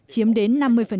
chiếm đến năm mươi